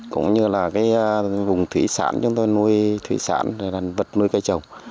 cũng như là cái vùng thủy sản chúng tôi nuôi thủy sản vật nuôi cây trồng